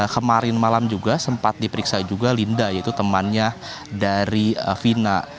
kemarin malam juga sempat diperiksa juga linda yaitu temannya dari vina